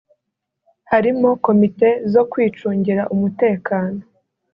harimo komite zo kwicungira umutekano